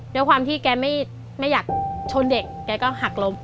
ด้วยความที่แกไม่อยากชนเด็กแกก็หักล้ม